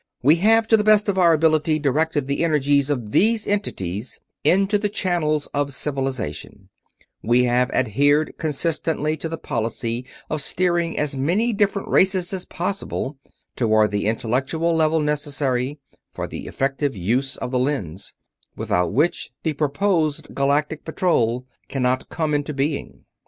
"We have, to the best of our ability, directed the energies of these entities into the channels of Civilization; we have adhered consistently to the policy of steering as many different races as possible toward the intellectual level necessary for the effective use of the Lens, without which the proposed Galactic Patrol cannot come into being.